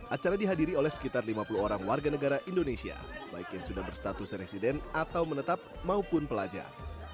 acara dihadiri oleh sekitar lima puluh orang warga negara indonesia baik yang sudah berstatus residen atau menetap maupun pelajar